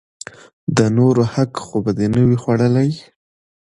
د نورو حق خو به دې نه وي خوړلئ!